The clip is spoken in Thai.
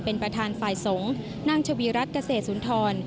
เป็นประธานฝ่ายสงฆ์นางชวีรัฐเกษตรสุนทร